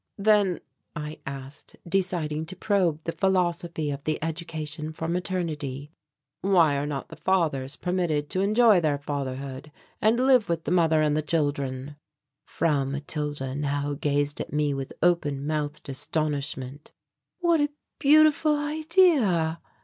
"Then," I asked, deciding to probe the philosophy of the education for maternity, "why are not the fathers permitted to enjoy their fatherhood and live with the mother and the children?" Frau Matilda now gazed at me with open mouthed astonishment. "What a beautiful idea!"